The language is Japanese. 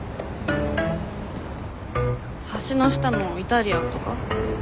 橋の下のイタリアンとか？